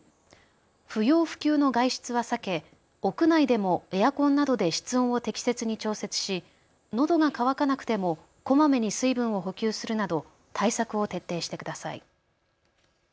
不要不急の外出は避け屋内でもエアコンなどで室温を適切に調節し、のどが渇かなくてもこまめに水分を補給するなど対策を徹底してください。